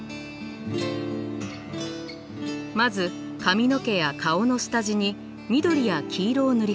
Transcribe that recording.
まず髪の毛や顔の下地に緑や黄色を塗り始めます。